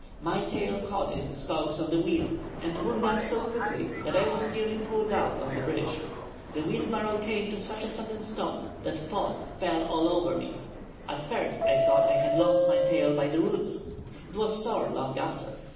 My tail caught in the spokes of the wheel, and wound up so quickly that I was nearly pulled out on the bridge. The wheelbarrow came to such a sudden stop that Pod fell all over me. At first I thought I had lost my tail by the roots. It was sore long after.